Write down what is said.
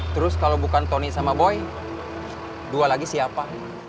terus kalau bukan tony sama boy dua lagi siapa